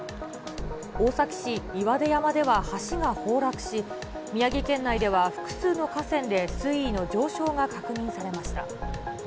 大崎市岩出山では橋が崩落し、宮城県内では複数の河川で水位の上昇が確認されました。